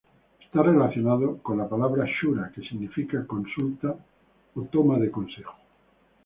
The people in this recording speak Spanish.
Está relacionado con la palabra shura, que significa consulta o "toma de consejo".